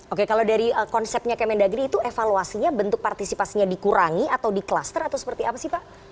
oke kalau dari konsepnya kemendagri itu evaluasinya bentuk partisipasinya dikurangi atau di kluster atau seperti apa sih pak